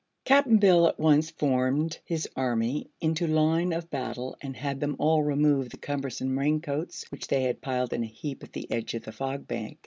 Cap'n Bill at once formed his army into line of battle and had them all remove the cumbersome raincoats, which they piled in a heap at the edge of the Fog Bank.